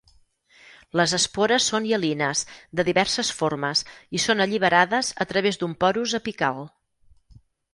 Les espores són hialines, de diverses formes i són alliberades a través d'un porus apical.